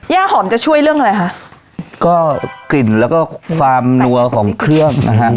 ย่าหอมจะช่วยเรื่องอะไรคะก็กลิ่นแล้วก็ความนัวของเครื่องนะฮะ